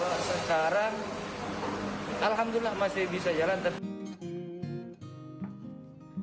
sekarang alhamdulillah masih bisa jalan tapi